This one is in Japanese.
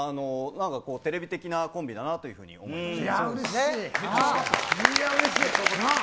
テレビ的なコンビだなと思いました。